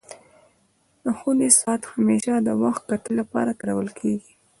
د خوني ساعت همېشه د وخت کتلو لپاره کارول کيږي.